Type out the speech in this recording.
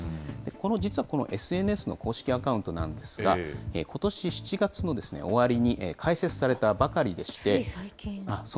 この、実はこのＳＮＳの公式アカウントなんですが、ことし７月の終わりに、つい最近。